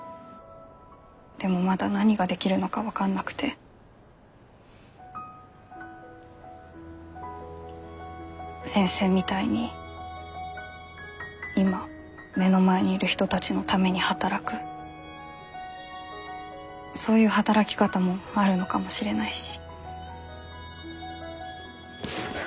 でもまだ何ができるのか分かんなくて先生みたいに今目の前にいる人たちのために働くそういう働き方もあるのかもしれないし。